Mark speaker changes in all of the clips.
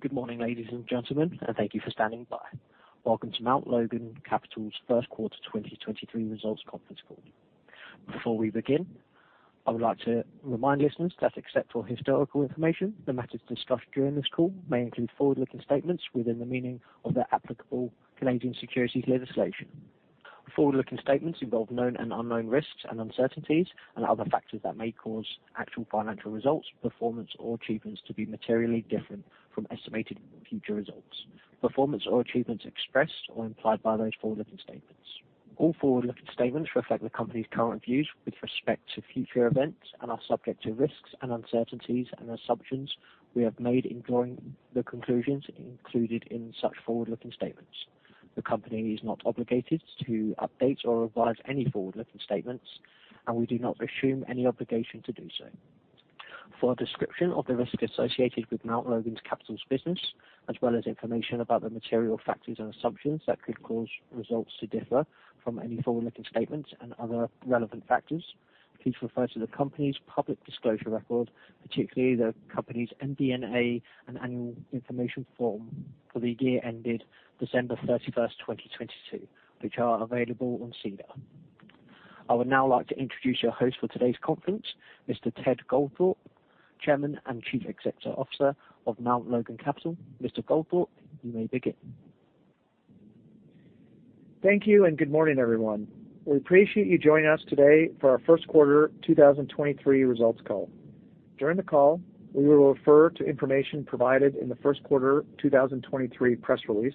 Speaker 1: Good morning, ladies and gentlemen, and thank you for standing by. Welcome to Mount Logan Capital's First Quarter 2023 Results Conference Call. Before we begin, I would like to remind listeners that except for historical information, the matters discussed during this call may include forward-looking statements within the meaning of the applicable Canadian securities legislation. Forward-looking statements involve known and unknown risks and uncertainties and other factors that may cause actual financial results, performance or achievements to be materially different from estimated future results, performance or achievements expressed or implied by those forward-looking statements. All forward-looking statements reflect the company's current views with respect to future events and are subject to risks and uncertainties and assumptions we have made in drawing the conclusions included in such forward-looking statements. The company is not obligated to update or revise any forward-looking statements, and we do not assume any obligation to do so. For a description of the risks associated with Mount Logan Capital's business as well as information about the material factors and assumptions that could cause results to differ from any forward-looking statements and other relevant factors, please refer to the company's public disclosure record, particularly the company's MD&A and annual information form for the year ended December 31st 2022, which are available on SEDAR. I would now like to introduce your host for today's conference, Mr. Ted Goldthorpe, Chairman and Chief Executive Officer of Mount Logan Capital. Mr. Goldthorpe, you may begin.
Speaker 2: Thank you. Good morning, everyone. We appreciate you joining us today for our first quarter 2023 results call. During the call, we will refer to information provided in the first quarter 2023 press release,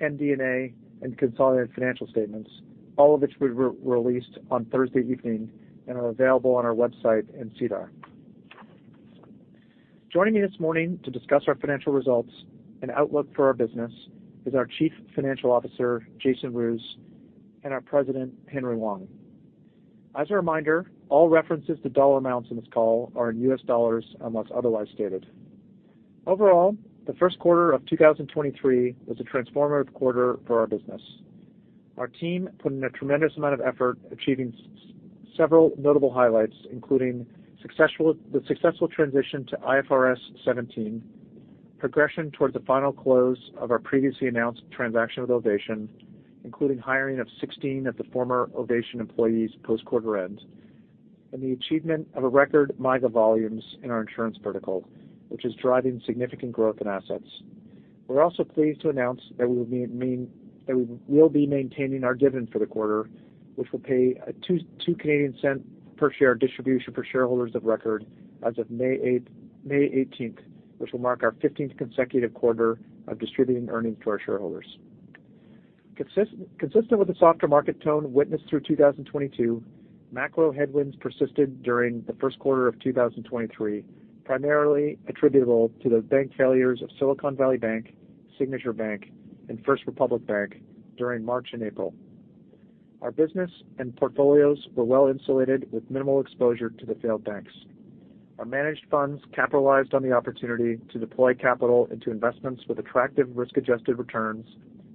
Speaker 2: MD&A and consolidated financial statements, all of which were released on Thursday evening and are available on our website and SEDAR. Joining me this morning to discuss our financial results and outlook for our business is our Chief Financial Officer, Jason Roos, and our President, Henry Wong. As a reminder, all references to dollar amounts in this call are in US dollars, unless otherwise stated. Overall, the first quarter of 2023 was a transformative quarter for our business. Our team put in a tremendous amount of effort achieving several notable highlights, including the successful transition to IFRS 17, progression towards the final close of our previously announced transaction with Ovation, including hiring of 16 of the former Ovation employees post quarter end, and the achievement of a record MYGA volumes in our Insurance vertical, which is driving significant growth in assets. We're also pleased to announce that we will be maintaining our dividend for the quarter, which will pay a 0.02 per share distribution for shareholders of record as of May 18th 2022, which will mark our 15th consecutive quarter of distributing earnings to our shareholders. Consistent with the softer market tone witnessed through 2022, macro headwinds persisted during the first quarter of 2023, primarily attributable to the bank failures of Silicon Valley Bank, Signature Bank and First Republic Bank during March and April. Our business and portfolios were well insulated with minimal exposure to the failed banks. Our managed funds capitalized on the opportunity to deploy capital into investments with attractive risk-adjusted returns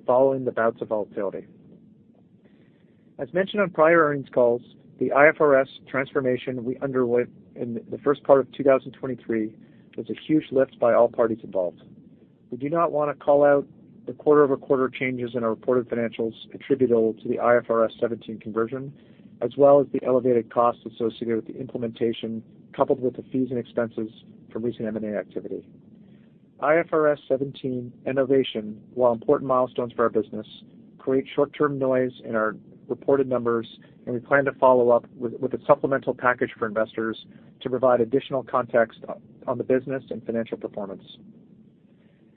Speaker 2: following the bouts of volatility. As mentioned on prior earnings calls, the IFRS transformation we underwent in the first part of 2023 was a huge lift by all parties involved. We do not wanna call out the quarter-over-quarter changes in our reported financials attributable to the IFRS 17 conversion, as well as the elevated costs associated with the implementation, coupled with the fees and expenses from recent M&A activity. IFRS 17 and Ovation, while important milestones for our business, create short-term noise in our reported numbers, and we plan to follow up with a supplemental package for investors to provide additional context on the business and financial performance.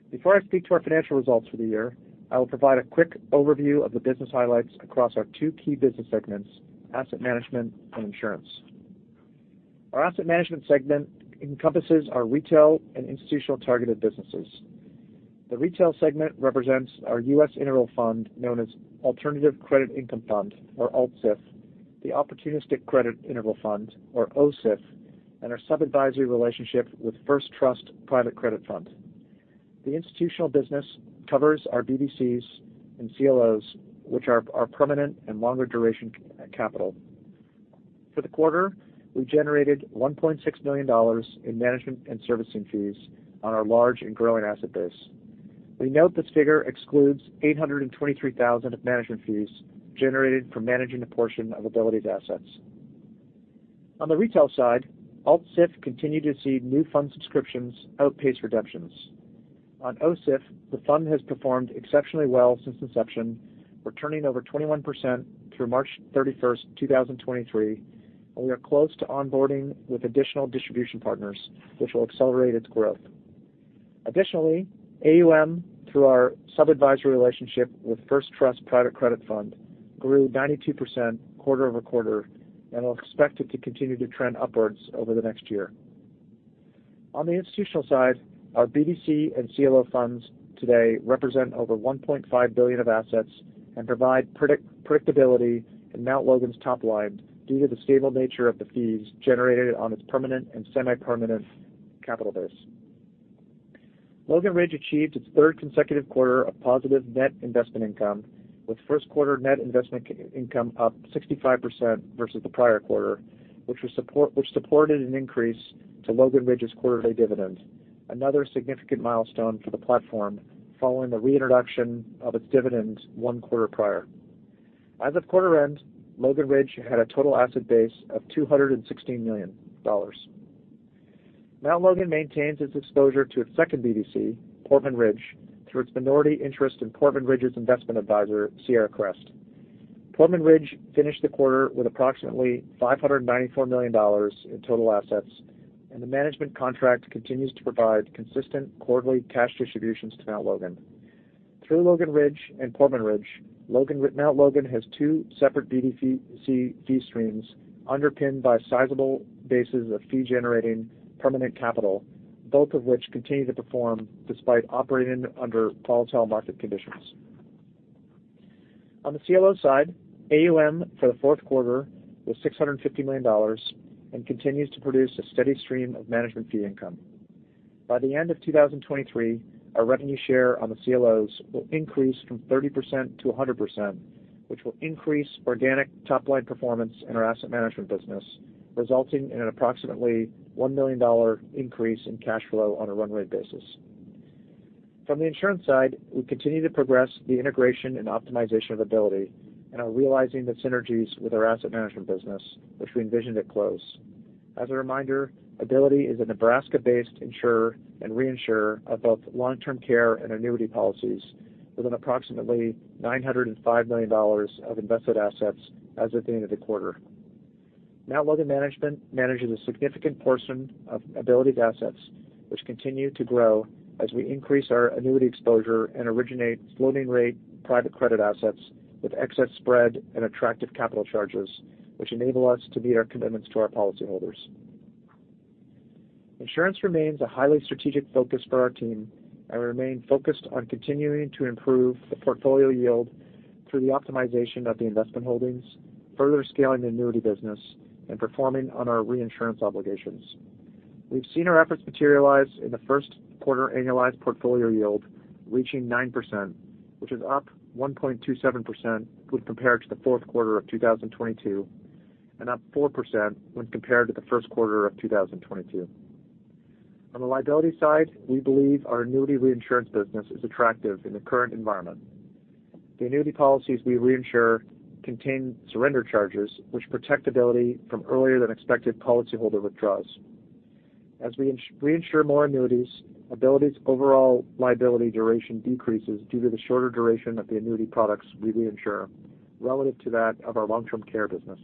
Speaker 2: Before I speak to our financial results for the year, I will provide a quick overview of the business highlights across our two key business segments, Asset Management and insurance. Our Asset Management segment encompasses our retail and institutional targeted businesses. The retail segment represents our U.S. interval fund known as Alternative Credit Income Fund, or ACIF, the Opportunistic Credit Interval Fund, or OCIF, and our sub-advisory relationship with First Trust Private Credit Fund. The institutional business covers our BDCs and CLOs, which are our permanent and longer duration capital. For the quarter, we generated $1.6 million in management and servicing fees on our large and growing asset base. We note this figure excludes $823,000 of management fees generated from managing a portion of Ability's assets. On the retail side, ACIF continued to see new fund subscriptions outpace redemptions. On OCIF, the fund has performed exceptionally well since inception, returning over 21% through March 31, 2023, we are close to onboarding with additional distribution partners which will accelerate its growth. Additionally, AUM, through our sub-advisory relationship with First Trust Private Credit Fund, grew 92% quarter-over-quarter and are expected to continue to trend upwards over the next year. On the institutional side, our BDC and CLO funds today represent over $1.5 billion of assets and provide predictability in Mount Logan's top line due to the stable nature of the fees generated on its permanent and semi-permanent capital base. Logan Ridge achieved its third consecutive quarter of positive net investment income, with first quarter net investment income up 65% versus the prior quarter, which supported an increase to Logan Ridge's quarterly dividend, another significant milestone for the platform following the reintroduction of its dividends one quarter prior. As of quarter end, Logan Ridge had a total asset base of $216 million. Mount Logan maintains its exposure to its second BDC, Portman Ridge, through its minority interest in Portman Ridge's investment advisor, Sierra Crest. Portman Ridge finished the quarter with approximately $594 million in total assets. The management contract continues to provide consistent quarterly cash distributions to Mount Logan. Through Logan Ridge and Portman Ridge, Mount Logan has two separate BDC fee streams underpinned by sizable bases of fee-generating permanent capital, both of which continue to perform despite operating under volatile market conditions. On the CLO side, AUM for the fourth quarter was $650 million and continues to produce a steady stream of management fee income. By the end of 2023, our revenue share on the CLOs will increase from 30% to 100%, which will increase organic top-line performance in our Asset Management business, resulting in an approximately $1 million increase in cash flow on a run rate basis. From the insurance side, we continue to progress the integration and optimization of Ability and are realizing the synergies with our Asset Management business, which we envisioned at close. As a reminder, Ability is a Nebraska-based insurer and reinsurer of both long-term care and annuity policies with an approximately $905 million of invested assets as of the end of the quarter. Mount Logan management manages a significant portion of Ability's assets, which continue to grow as we increase our annuity exposure and originate floating rate private credit assets with excess spread and attractive capital charges, which enable us to meet our commitments to our policyholders. Insurance remains a highly strategic focus for our team, and we remain focused on continuing to improve the portfolio yield through the optimization of the investment holdings, further scaling the annuity business, and performing on our reinsurance obligations. We've seen our efforts materialize in the first quarter annualized portfolio yield reaching 9%, which is up 1.27% when compared to the fourth quarter of 2022 and up 4% when compared to the first quarter of 2022. On the liability side, we believe our annuity reinsurance business is attractive in the current environment. The annuity policies we reinsure contain surrender charges which protect Ability from earlier than expected policyholder withdrawals. As we reinsure more annuities, Ability's overall liability duration decreases due to the shorter duration of the annuity products we reinsure relative to that of our long-term care business.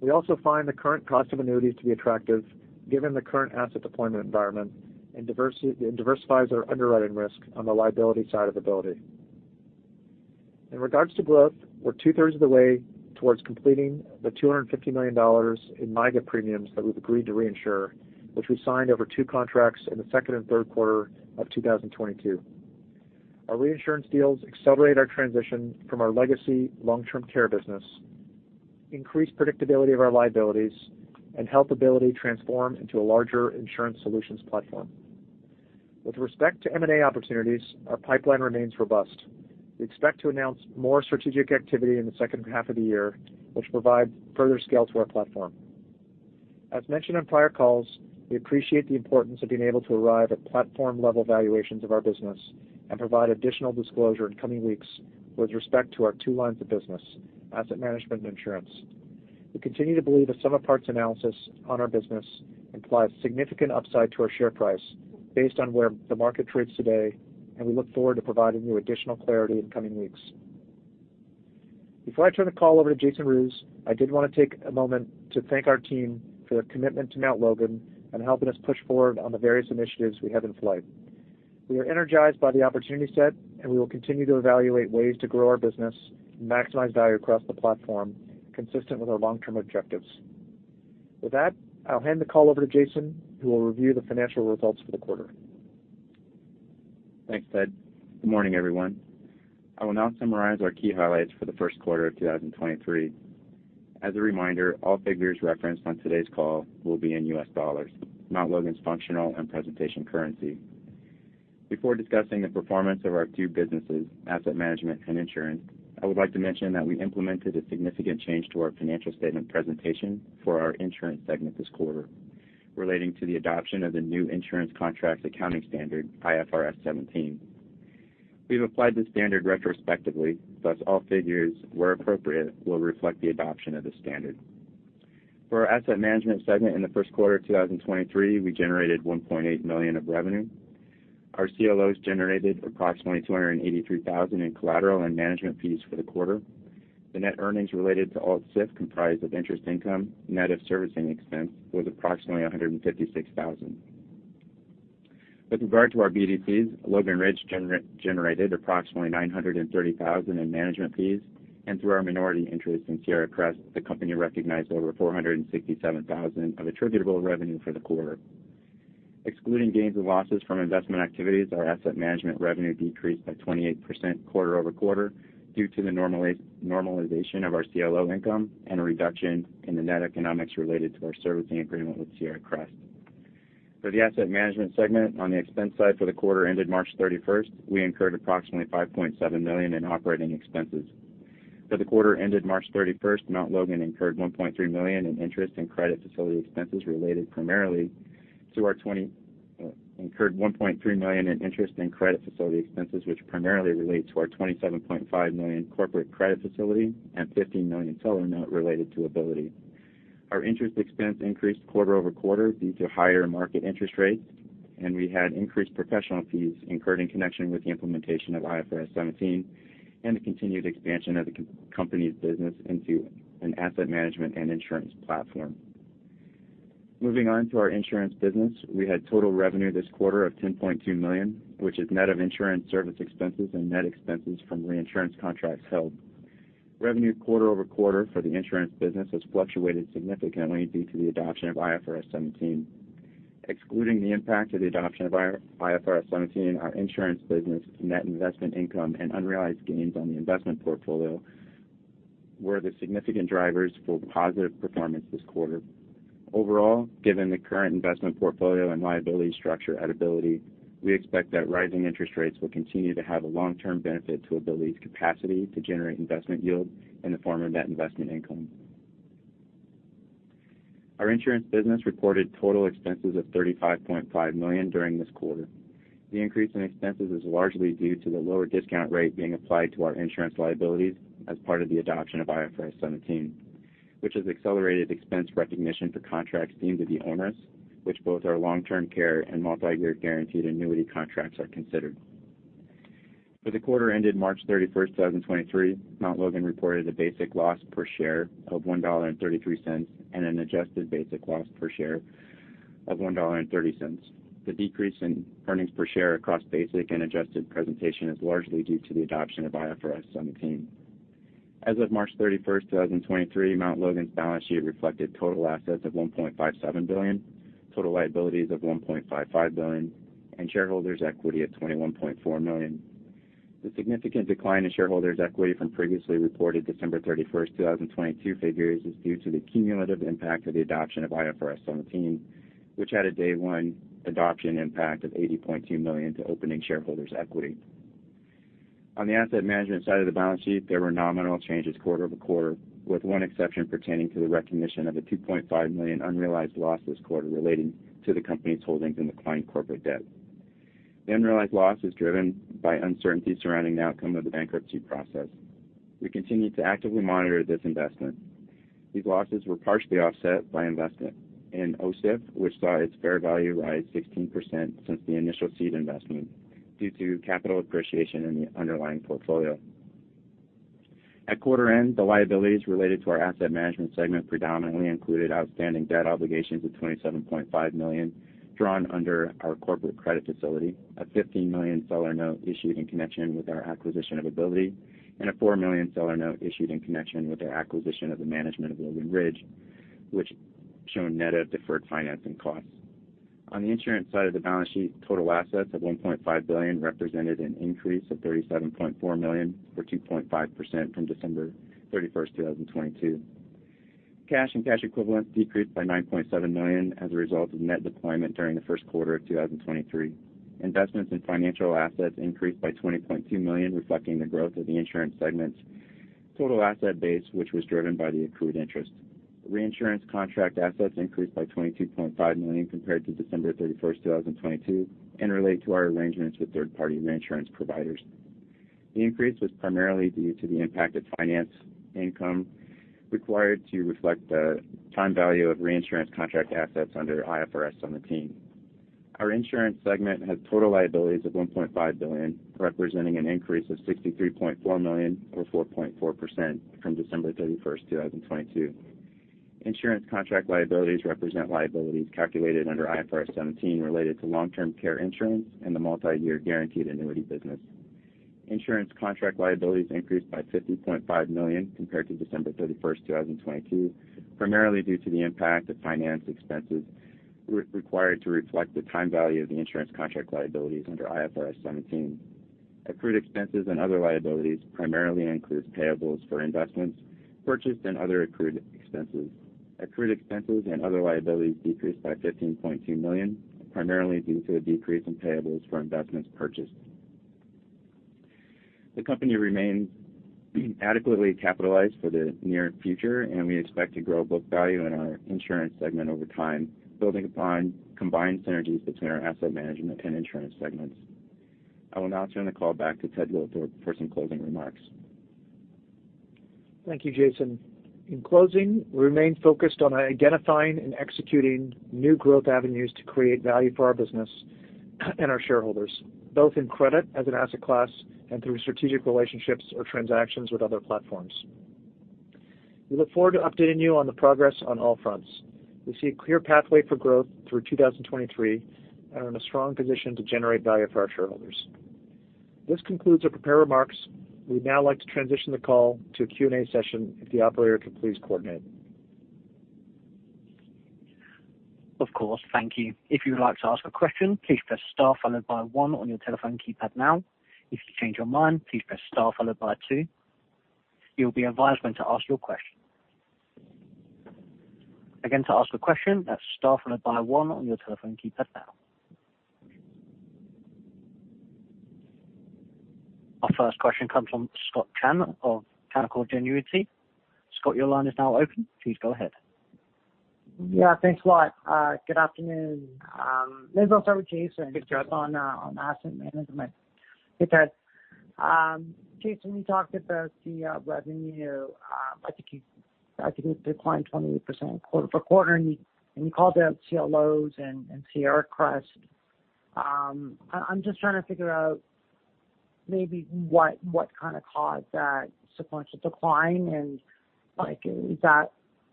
Speaker 2: We also find the current cost of annuities to be attractive given the current asset deployment environment and diversifies our underwriting risk on the liability side of Ability. In regards to growth, we're 2/3 of the way towards completing the $250 million in MYGA premiums that we've agreed to reinsure, which we signed over two contracts in the second and third quarter of 2022. Our reinsurance deals accelerate our transition from our legacy long-term care business, increase predictability of our liabilities, and help Ability transform into a larger insurance solutions platform. With respect to M&A opportunities, our pipeline remains robust. We expect to announce more strategic activity in the second half of the year, which provide further scale to our platform. As mentioned on prior calls, we appreciate the importance of being able to arrive at platform-level valuations of our business and provide additional disclosure in coming weeks with respect to our two lines of business, Asset Management and Insurance. We continue to believe a sum of parts analysis on our business implies significant upside to our share price based on where the market trades today. We look forward to providing you additional clarity in coming weeks. Before I turn the call over to Jason Roos, I did want to take a moment to thank our team for their commitment to Mount Logan and helping us push forward on the various initiatives we have in flight. We are energized by the opportunity set. We will continue to evaluate ways to grow our business and maximize value across the platform consistent with our long-term objectives. With that, I'll hand the call over to Jason, who will review the financial results for the quarter.
Speaker 3: Thanks, Ted. Good morning, everyone. I will now summarize our key highlights for the first quarter of 2023. As a reminder, all figures referenced on today's call will be in US dollars, Mount Logan's functional and presentation currency. Before discussing the performance of our two businesses, Asset Management and Insurance, I would like to mention that we implemented a significant change to our financial statement presentation for our Insurance segment this quarter relating to the adoption of the new insurance contracts accounting standard, IFRS 17. We've applied this standard retrospectively, thus all figures, where appropriate, will reflect the adoption of this standard. For our Asset Management segment in the first quarter of 2023, we generated $1.8 million of revenue. Our CLOs generated approximately $283,000 in collateral and management fees for the quarter. The Net earnings related to ACIF comprised of interest income, net of servicing expense, was approximately $156,000. With regard to our BDCs, Logan Ridge generated approximately $930,000 in management fees, and through our minority interest in Sierra Crest, the company recognized over $467,000 of attributable revenue for the quarter. Excluding gains and losses from investment activities, our Asset Management revenue decreased by 28% quarter-over-quarter due to the normalization of our CLO income and a reduction in the net economics related to our servicing agreement with Sierra Crest. For the Asset Management segment on the expense side for the quarter ended March 31st we incurred approximately $5.7 million in operating expenses. For the quarter ended March 31st Mount Logan incurred $1.3 million in interest and credit facility expenses, which primarily relate to our $27.5 million corporate credit facility and $15 million seller note related to Ability. Our interest expense increased quarter-over-quarter due to higher market interest rates, and we had increased professional fees incurred in connection with the implementation of IFRS 17 and the continued expansion of the company's business into an Asset Management and insurance platform. Moving on to our Insurance business, we had total revenue this quarter of $10.2 million, which is net of insurance service expenses and net expenses from reinsurance contracts held. Revenue quarter-over-quarter for the Insurance business has fluctuated significantly due to the adoption of IFRS 17. Excluding the impact of the adoption of IFRS 17, our Insurance business, net investment income, and unrealized gains on the investment portfolio were the significant drivers for positive performance this quarter. Overall, given the current investment portfolio and liability structure at Ability, we expect that rising interest rates will continue to have a long-term benefit to Ability's capacity to generate investment yield in the form of net investment income. Our Insurance business reported total expenses of $35.5 million during this quarter. The increase in expenses is largely due to the lower discount rate being applied to our insurance liabilities as part of the adoption of IFRS 17, which has accelerated expense recognition for contracts deemed to be onerous, which both our long-term care and multi-year guaranteed annuity contracts are considered. For the quarter ended March 31, 2023, Mount Logan reported a basic loss per share of $1.33 and an Adjusted basic loss per share of $1.30. The decrease in earnings per share across basic and Adjusted presentation is largely due to the adoption of IFRS 17. As of March 31st 2023, Mount Logan's balance sheet reflected total assets of $1.57 billion, total liabilities of $1.55 billion, and shareholders' equity of $21.4 million. The significant decline in shareholders' equity from previously reported December 31st 2022 figures is due to the cumulative impact of the adoption of IFRS 17, which had a day one adoption impact of $80.2 million to opening shareholders' equity. On the Asset Management side of the balance sheet, there were nominal changes quarter-over-quarter, with one exception pertaining to the recognition of a $2.5 million unrealized loss this quarter relating to the company's holdings in the client corporate debt. The unrealized loss is driven by uncertainty surrounding the outcome of the bankruptcy process. We continue to actively monitor this investment. These losses were partially offset by investment in OCIF, which saw its fair value rise 16% since the initial seed investment due to capital appreciation in the underlying portfolio. At quarter end, the liabilities related to our Asset Management segment predominantly included outstanding debt obligations of $27.5 million drawn under our corporate credit facility, a $15 million seller note issued in connection with our acquisition of Ability, and a $4 million seller note issued in connection with our acquisition of the management of Logan Ridge, which shown net of deferred financing costs. On the Insurance side of the balance sheet, total assets of $1.5 billion represented an increase of $37.4 million or 2.5% from December 31st 2022. Cash and cash equivalents decreased by $9.7 million as a result of net deployment during the first quarter of 2023. Investments in financial assets increased by $20.2 million, reflecting the growth of the Insurance segment's total asset base, which was driven by the accrued interest. Reinsurance contract assets increased by $22.5 million compared to December 31st 2022 and relate to our arrangements with third-party reinsurance providers. The increase was primarily due to the impact of finance income required to reflect the time value of reinsurance contract assets under IFRS 17. Our Insurance segment has total liabilities of $1.5 billion, representing an increase of $63.4 million or 4.4% from December 31st 2022. Insurance contract liabilities represent liabilities calculated under IFRS 17 related to long-term care insurance and the multi-year guaranteed annuity business. Insurance contract liabilities increased by $50.5 million compared to December 31st 2022, primarily due to the impact of finance expenses required to reflect the time value of the insurance contract liabilities under IFRS 17. Accrued expenses and other liabilities primarily includes payables for investments purchased and other accrued expenses. Accrued expenses and other liabilities decreased by $15.2 million, primarily due to a decrease in payables for investments purchased. The company remains adequately capitalized for the near future, and we expect to grow book value in our Insurance segment over time, building upon combined synergies between our Asset Management and Insurance segments. I will now turn the call back to Ted Goldthorpe for some closing remarks.
Speaker 2: Thank you, Jason. In closing, we remain focused on identifying and executing new growth avenues to create value for our business and our shareholders, both in credit as an asset class and through strategic relationships or transactions with other platforms. We look forward to updating you on the progress on all fronts. We see a clear pathway for growth through 2023 and are in a strong position to generate value for our shareholders. This concludes our prepared remarks. We'd now like to transition the call to a Q&A session if the operator could please coordinate.
Speaker 1: Of course. Thank you. If you would like to ask a question, please press star followed by one on your telephone keypad now. If you change your mind, please press star followed by two. You'll be advised when to ask your question. Again, to ask a question, that's star followed by one on your telephone keypad now. Our first question comes from Scott Chan of Canaccord Genuity. Scott, your line is now open. Please go ahead.
Speaker 4: Yeah, thanks a lot. Good afternoon. Maybe I'll start with Jason-
Speaker 3: Good day.
Speaker 4: -on, on Asset Management.
Speaker 3: Okay.
Speaker 4: Jason, when you talked about the revenue, I think it declined 28% quarter-over-quarter, and you called out CLOs and Sierra Crest. I'm just trying to figure out maybe what kinda caused that sequential decline and, like, is that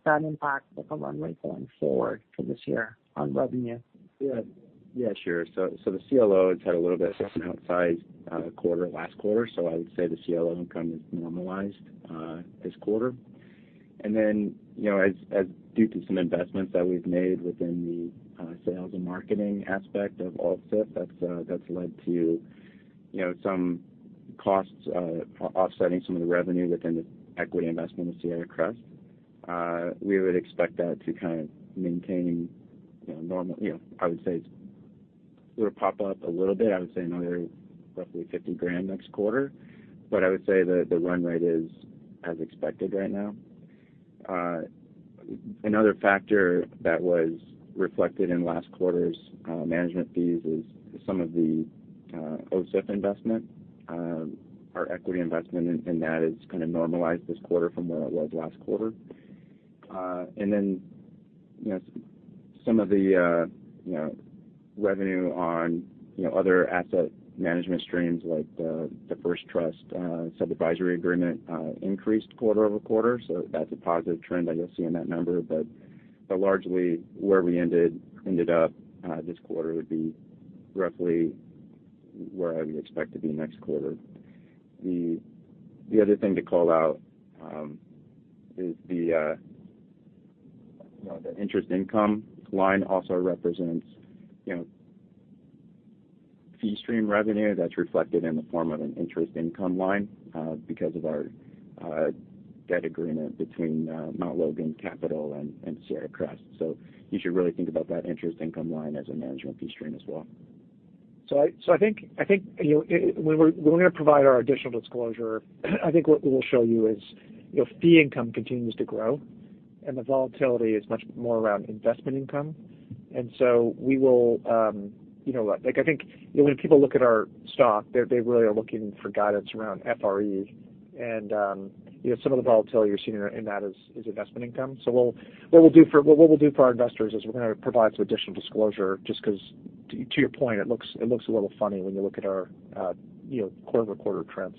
Speaker 4: impact, like, a run-rate going forward for this year on revenue?
Speaker 3: Sure. The CLOs had a little bit of an outsized quarter last quarter, so I would say the CLO income is normalized this quarter. You know, as due to some investments that we've made within the sales and marketing aspect of OCIF, that's led to, you know, some costs offsetting some of the revenue within the equity investment of Sierra Crest. We would expect that to kind of maintain, you know, normal... You know, I would say it's gonna pop up a little bit, I would say another roughly $50 grand next quarter, but I would say the run-rate is as expected right now. Another factor that was reflected in last quarter's management fees is some of the OCIF investment. Our equity investment in that is kinda normalized this quarter from where it was last quarter. You know, some of the, you know, revenue on, you know, other Asset Management streams like the First Trust sub-advisory agreement increased quarter-over-quarter. That's a positive trend I guess seeing that number. Largely where we ended up this quarter would be roughly where I would expect to be next quarter. The other thing to call out is the, you know, the interest income line also represents, you know, fee stream revenue that's reflected in the form of an interest income line because of our debt agreement between Mount Logan Capital and Sierra Crest. You should really think about that interest income line as a management fee stream as well.
Speaker 2: I think, you know, when we're gonna provide our additional disclosure, I think what we will show you is, you know, fee income continues to grow and the volatility is much more around investment income. We will, you know, like I think, you know, when people look at our stock, they really are looking for guidance around FRE and, you know, some of the volatility you're seeing in that is investment income. What we'll do for our investors is we're gonna provide some additional disclosure just 'cause to your point, it looks a little funny when you look at our, you know, quarter-over-quarter trends.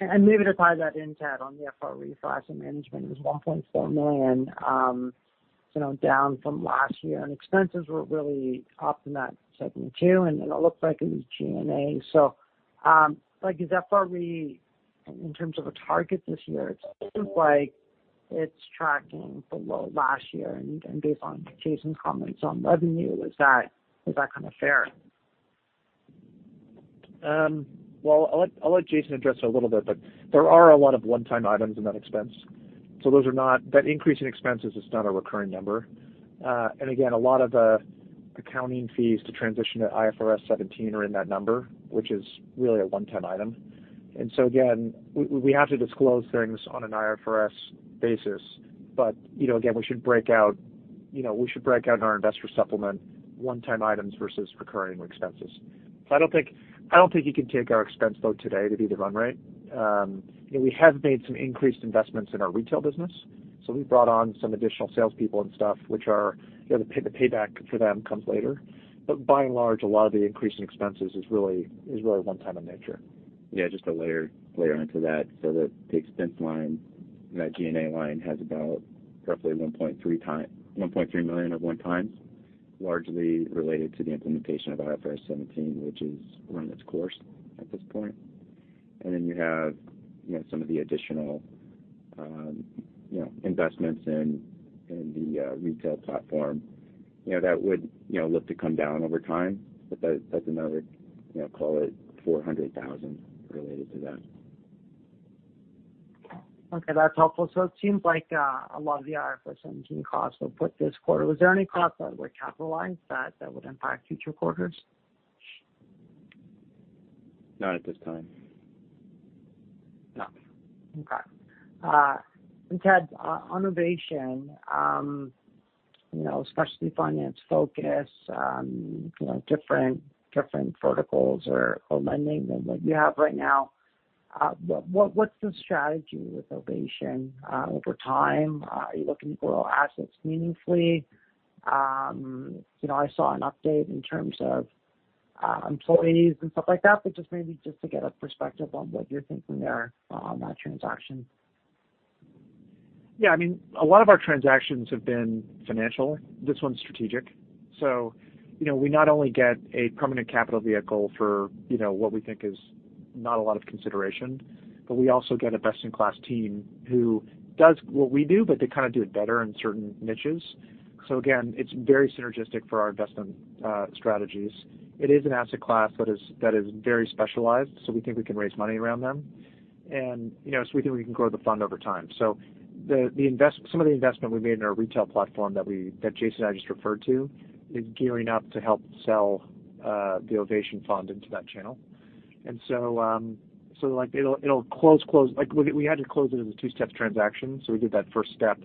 Speaker 4: Maybe to tie that in, Ted, on the FRE Asset Management, it was $1.4 million, you know, down from last year, and expenses were really up in that segment too, and it looked like it was G&A. Like is that where we in terms of a target this year? It seems like it's tracking below last year and based on Jason's comments on revenue, is that, is that kind of fair?
Speaker 2: Well, I'll let Jason Roos address that a little bit, but there are a lot of one-time items in that expense. That increase in expenses is not a recurring number. Again, a lot of the accounting fees to transition to IFRS 17 are in that number, which is really a one-time item. Again, we have to disclose things on an IFRS basis. You know, again, we should break out in our investor supplement one-time items versus recurring expenses. I don't think you can take our expense load today to be the run-rate. You know, we have made some increased investments in our retail business, so we've brought on some additional salespeople and stuff, which are, you know, the payback for them comes later. By and large, a lot of the increase in expenses is really one-time in nature.
Speaker 3: Yeah, just to layer into that. The expense line and that G&A line has about roughly $1.3 million of one-times, largely related to the implementation of IFRS 17, which has run its course at this point. You have, you know, some of the additional, you know, investments in the retail platform. You know, that would, you know, look to come down over time, but that's another, you know, call it $400,000 related to that.
Speaker 4: Okay, that's helpful. It seems like a lot of the IFRS 17 costs were put this quarter. Was there any costs that were capitalized that would impact future quarters?
Speaker 3: Not at this time.
Speaker 2: No.
Speaker 4: Okay. Ted, on Ovation, you know, specialty finance focus, you know, different verticals or lending than what you have right now. What's the strategy with Ovation over time? Are you looking to grow assets meaningfully? You know, I saw an update in terms of employees and stuff like that, just maybe just to get a perspective on what you're thinking there on that transaction.
Speaker 2: Yeah, I mean, a lot of our transactions have been financial. This one's strategic. You know, we not only get a permanent capital vehicle for, you know, what we think is not a lot of consideration, but we also get a best-in-class team who does what we do, but they kinda do it better in certain niches. So again, it's very synergistic for our investment strategies. It is an asset class that is, that is very specialized, so we think we can raise money around them. You know, we think we can grow the fund over time. The some of the investment we made in our retail platform that we, that Jason and I just referred to is gearing up to help sell the Ovation fund into that channel. Like it'll close... We had to close it as a two-step transaction. We did that first step.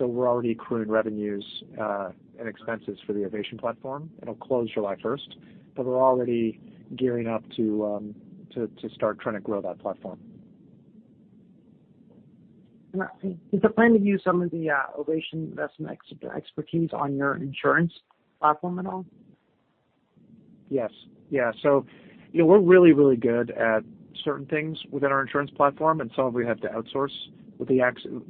Speaker 2: We're already accruing revenues and expenses for the Ovation platform. It'll close July 1st. We're already gearing up to start trying to grow that platform.
Speaker 4: Is the plan to use some of the Ovation investment expertise on your insurance platform at all?
Speaker 2: Yes. Yeah. you know, we're really, really good at certain things within our insurance platform, and some of we have to outsource.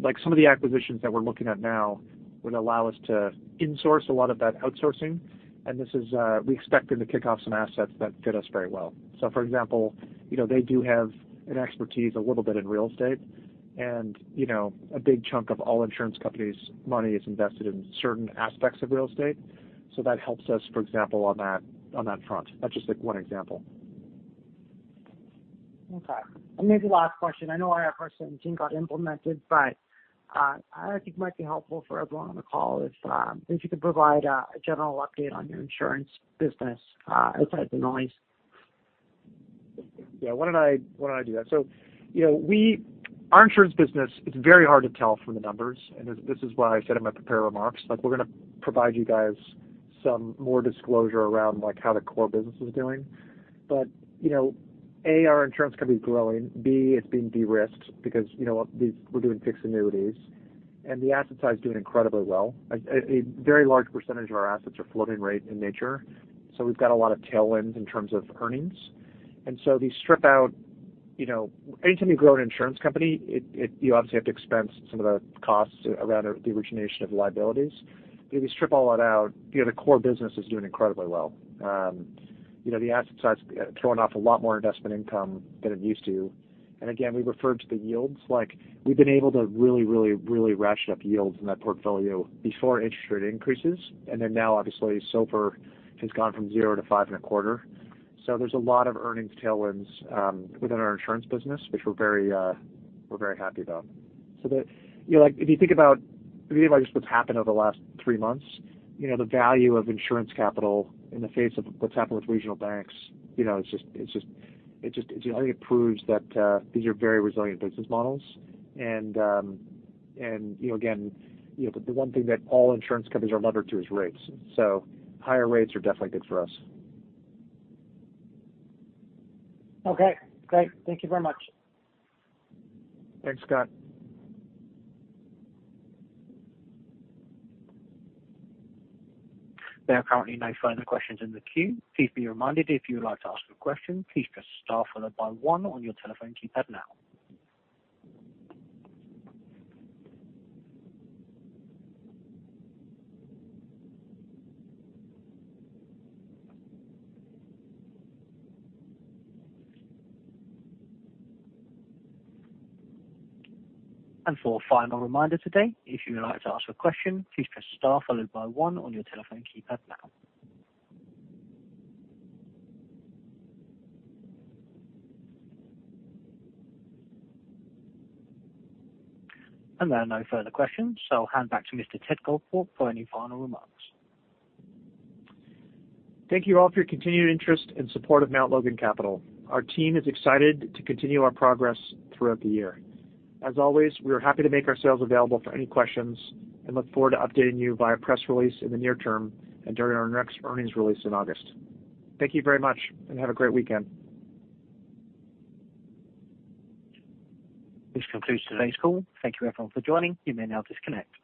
Speaker 2: Like, some of the acquisitions that we're looking at now would allow us to insource a lot of that outsourcing. This is. We're expecting to kick off some assets that fit us very well. for example, you know, they do have an expertise a little bit in real estate and, you know, a big chunk of all insurance companies' money is invested in certain aspects of real estate. That helps us, for example, on that front. That's just like one example.
Speaker 4: Okay. Maybe last question. I know IFRS 17 got implemented, but I think it might be helpful for everyone on the call if you could provide a general update on your Insurance business outside the noise.
Speaker 2: Yeah. Why don't I do that? You know, our Insurance business is very hard to tell from the numbers, and this is why I said in my prepared remarks, like, we're gonna provide you guys some more disclosure around, like, how the core business is doing. You know, A, our insurance company is growing. B, it's being de-risked because, you know, we're doing fixed annuities and the asset side is doing incredibly well. A very large percentage of our assets are floating rate in nature, so we've got a lot of tailwinds in terms of earnings. If you strip out. You know, anytime you grow an insurance company, you obviously have to expense some of the costs around the origination of liabilities. If you strip all that out, you know, the core business is doing incredibly well. You know, the asset side's throwing off a lot more investment income than it used to. Again, we referred to the yields. Like, we've been able to really ratchet up yields in that portfolio before interest rate increases. Now obviously SOFR has gone from 0% to 5.25%. There's a lot of earnings tailwinds within our insurance business, which we're very happy about. You know, like, if you think about just what's happened over the last three months, you know, the value of insurance capital in the face of what's happened with regional banks, you know, it just, I think it proves that these are very resilient business models. You know, again, you know, the one thing that all insurance companies are levered to is rates. Higher rates are definitely good for us.
Speaker 4: Okay, great. Thank you very much.
Speaker 2: Thanks, Scott.
Speaker 1: There are currently no further questions in the queue. Please be reminded, if you would like to ask a question, please press star followed by one on your telephone keypad now. For a final reminder today, if you would like to ask a question, please press star followed by one on your telephone keypad now. There are no further questions, so I'll hand back to Mr. Ted Goldthorpe for any final remarks.
Speaker 2: Thank you all for your continued interest and support of Mount Logan Capital. Our team is excited to continue our progress throughout the year. As always, we are happy to make ourselves available for any questions and look forward to updating you via press release in the near term and during our next earnings release in August. Thank you very much and have a great weekend.
Speaker 1: This concludes today's call. Thank you everyone for joining. You may now disconnect.